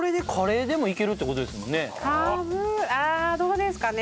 カブああどうですかね？